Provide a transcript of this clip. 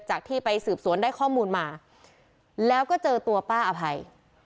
ที่ไปสืบสวนได้ข้อมูลมาแล้วก็เจอตัวป้าอภัย